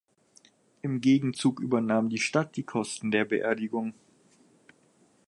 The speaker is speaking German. Im Gegenzug übernahm die Stadt die Kosten der Beerdigung.